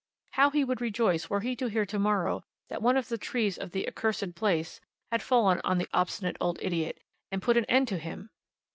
How he would rejoice were he to hear to morrow that one of the trees of the "accursed place," had fallen on the "obstinate old idiot," and put an end to him!